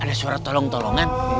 ada suara tolong tolongan